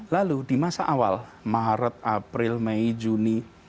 lalu di masa awal maret april mei juni